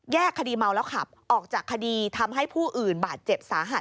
คดีเมาแล้วขับออกจากคดีทำให้ผู้อื่นบาดเจ็บสาหัส